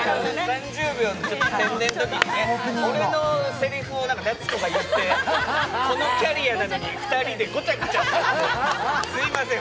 ３０秒の宣伝のときに俺のせりふを夏子が言って、このキャリアなのに２人でごちゃごちゃしてすみません。